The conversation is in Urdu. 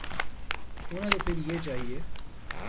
ہونا تو پھر یہ چاہیے۔